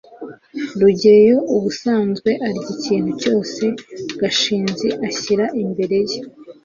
rugeyo ubusanzwe arya ikintu cyose gashinzi ashyira imbere ye